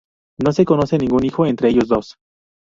No se conoce ningún hijo entre ellos dos.